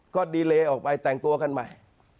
ก็ดีเลออกไปแต่งตัวกันใหม่